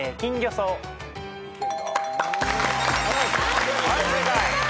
はい正解。